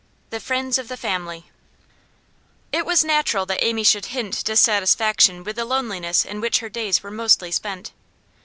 THE FRIENDS OF THE FAMILY It was natural that Amy should hint dissatisfaction with the loneliness in which her days were mostly spent.